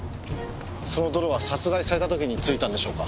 その泥は殺害された時に付いたんでしょうか？